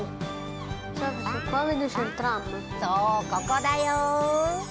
そうここだよ。